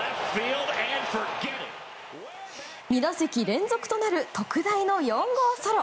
２打席連続となる特大の４号ソロ。